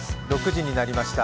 ６時になりました。